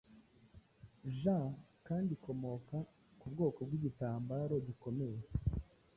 Jean kandi ikomoka kubwoko bw'igitambaro gikomeye